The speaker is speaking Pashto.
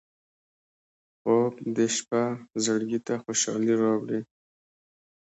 خوب د شپه زړګي ته خوشالي راوړي